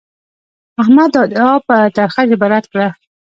احمد دا ادعا په ترخه ژبه رد کړه.